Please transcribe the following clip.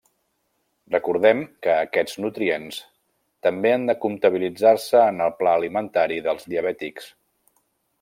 Recordem que aquests nutrients també han de comptabilitzar-se en el pla alimentari dels diabètics.